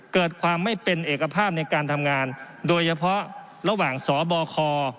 เกิดความไม่เป็นเอกภาพในการทำงานโดยเฉพาะระหว่างสบค